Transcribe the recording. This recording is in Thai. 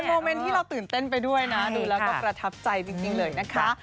โมเมนต์ที่เราตื่นเต้นไปด้วยนะดูแล้วก็ประทับใจจริงเลยนะคะ